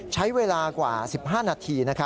ใช้เวลากว่า๑๕นาที